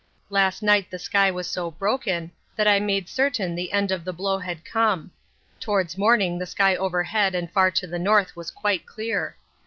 Last night the sky was so broken that I made certain the end of the blow had come. Towards morning the sky overhead and far to the north was quite clear.